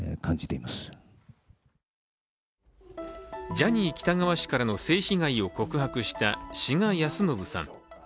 ジャニー喜多川氏からの性被害を告白した志賀泰伸さん。